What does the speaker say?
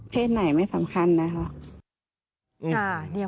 เพศไหนไม่สำคัญ